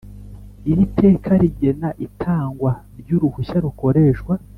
Iri teka rigena itangwa ry uruhushya rukoreshwa